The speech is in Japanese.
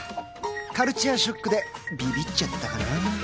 カルチャーショックでビビっちゃったかなぁ？